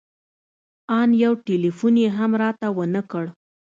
ان يو ټېلفون يې هم راته ونه کړ.